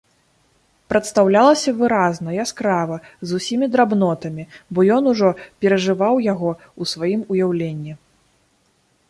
Прадстаўлялася выразна, яскрава, з усімі драбнотамі, бо ён ужо перажываў яго ў сваім уяўленні.